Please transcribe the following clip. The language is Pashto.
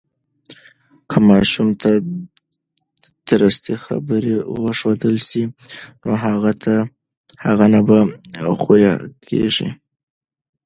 که ماشوم ته درستی خبرې وښودل سي، نو هغه نه بد خویه کیږي.